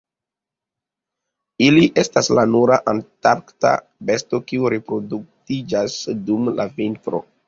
Ili estas la nura antarkta besto kiu reproduktiĝas dum la vintro.